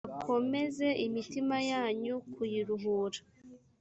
akomeze imitima yanyu kuyiruhura